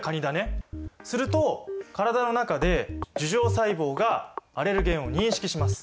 すると体の中で樹状細胞がアレルゲンを認識します。